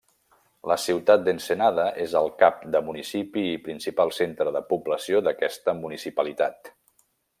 La ciutat d'Ensenada és el cap de municipi i principal centre de població d'aquesta municipalitat.